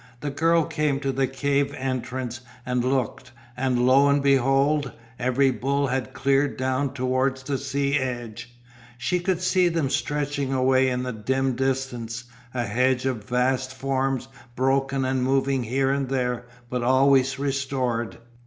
The girl came to the cave entrance and looked, and lo and behold! every bull had cleared down towards the sea edge. She could see them stretching away into the dim distance, a hedge of vast forms broken and moving here and there, but always restored.